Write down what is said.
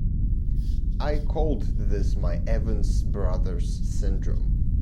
I called this my "Evans Brothers syndrome".